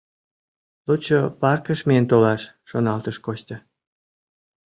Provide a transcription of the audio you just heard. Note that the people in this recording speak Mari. Лучо паркыш миен толаш», — шоналтыш Костя.